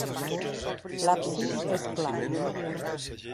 L'absis és pla.